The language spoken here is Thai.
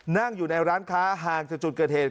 นั่งอยู่ในร้านค้าห่างจากจุดเกิดเหตุ